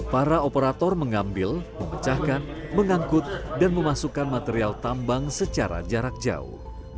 para operator mengambil memecahkan mengangkut dan memasukkan material tambang secara jarak jauh